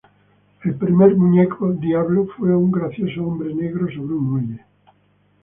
El primer muñeco "diablo" fue un gracioso hombre negro sobre un muelle.